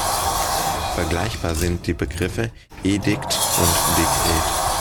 Vergleichbar sind die Begriffe Edikt und Dekret.